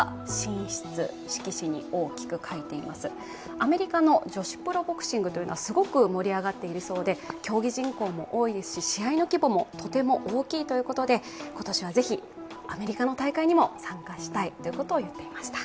アメリカの女子プロボクシングというのはすごく盛り上がっているそうで、競技人口も多いですし、試合の規模もとても大きいということで、今年はぜひアメリカの大会にも参加したいということを言っていました。